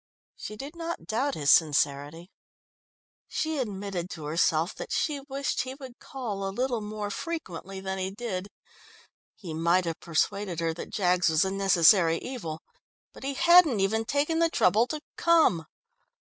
She did not doubt his sincerity. She admitted to herself that she wished he would call a little more frequently than he did. He might have persuaded her that Jaggs was a necessary evil, but he hadn't even taken the trouble to come.